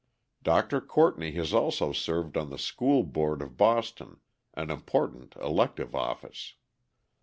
Dr. Courtney has also served on the School Board of Boston, an important elective office.